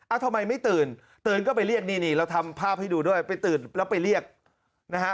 ทำไมไม่ตื่นตื่นก็ไปเรียกนี่นี่เราทำภาพให้ดูด้วยไปตื่นแล้วไปเรียกนะฮะ